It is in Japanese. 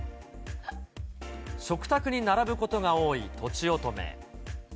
食卓に並ぶことが多いとちおとめ。